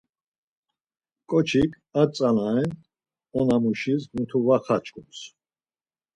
Ǩoçik ar tzana ren onamuşis mutu var xaçkums.